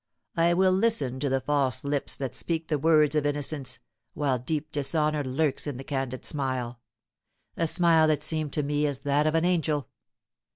I will listen to the false lips that speak the words of innocence, while deep dishonour lurks in the candid smile, a smile that seemed to me as that of an angel.